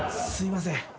すいません。